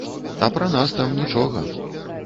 А пра нас там нічога.